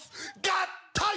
合体！